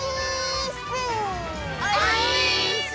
オィーッス！